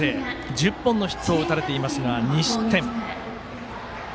１０本のヒットを打たれていますが２失点。